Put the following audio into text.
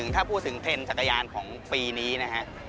ถ้าพูดถึงเทรนด์จักรยานของปีนี้นะฮะ